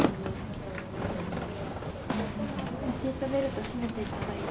シートベルト締めていただいて。